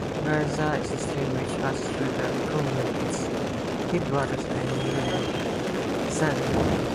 Garza is the stream which passes through the comune, its headwaters are in Lumezzane.